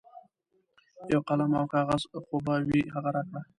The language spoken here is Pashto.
یو قلم او کاغذ خو به وي هغه راکړه.